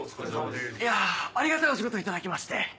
いやありがたいお仕事頂きまして。